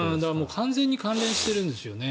完全に関連してるんですよね。